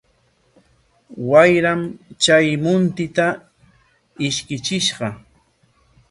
Wayram chay muntita ishkichishqa.